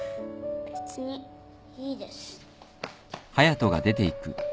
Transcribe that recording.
別にいいです。